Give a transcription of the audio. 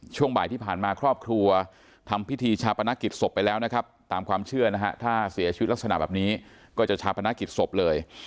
ช่วงบ่ายที่ผ่านมาครอบครัวทำพิธีชาปนกิจศพไปแล้วนะครับตามความเชื่อนะฮะถ้าเสียชีวิตลักษณะแบบนี้ก็จะชาปนกิจศพเลย